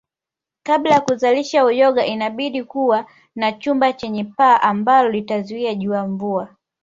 Kabla ya kuzalisha uyoga inabidi kuwa na chumba chenye paa ambalo litazuia jua mvua